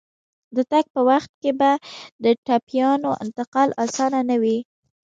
د تګ په وخت کې به د ټپيانو انتقال اسانه نه وي.